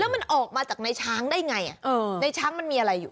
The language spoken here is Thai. มันออกมาจากในช้างได้ไงในช้างมันมีอะไรอยู่